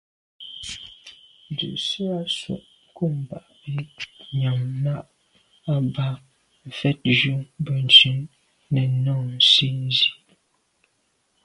Ndùse à swe’ nkum bag mbi nyam nà à ba mfetnjù Benntùn nèn nô nsi nzi.